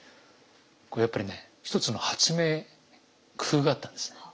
これやっぱりね一つの発明工夫があったんですね。